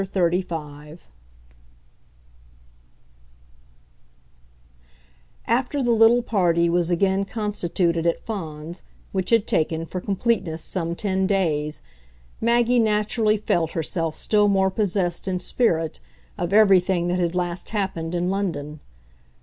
PART FIFTH XXXV After the little party was again constituted at Fawns which had taken, for completeness, some ten days Maggie naturally felt herself still more possessed, in spirit, of everything that had last happened in London.